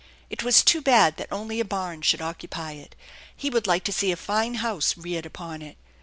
It was too bad that only a barn should occupy it. He would like to see a fine house reared upon it.